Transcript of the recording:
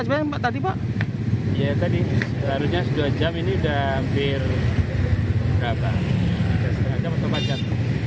setengah jam atau empat jam